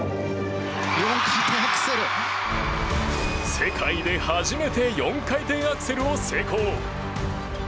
世界で初めて４回転アクセルを成功。